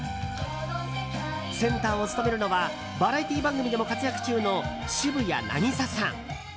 センターを務めるのはバラエティー番組でも活躍中の渋谷凪咲さん。